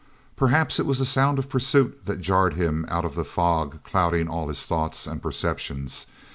Perhaps it was the sound of pursuit that jarred him out of the fog clouding all his thoughts and perceptions.